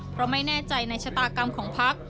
เพราะไม่แน่ใจในชะตากรรมของพัก